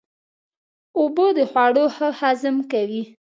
اوبه د خوړو ښه هضم کوي.